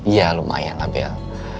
ya lumayanlah bel